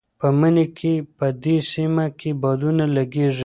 په مني کې په دې سیمه کې بادونه لګېږي.